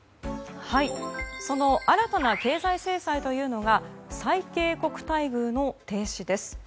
その新たな経済制裁というのが最恵国待遇の停止です。